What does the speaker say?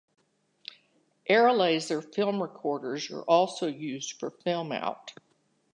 Arrilaser film recorders are also used for film-out.